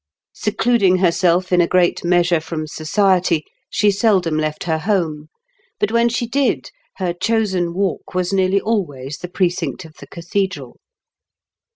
Secluding herself in a great measure from society, she seldom left her home, but when she did her chosen walk was nearly always the precinct of the cathedral.